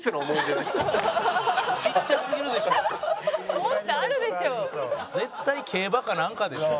「ちっちゃすぎるでしょ」絶対競馬かなんかでしょ。